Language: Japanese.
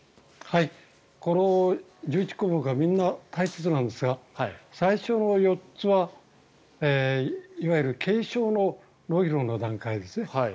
この１１項目はみんな大切なんですが最初の４つはいわゆる軽症の脳疲労の段階ですね。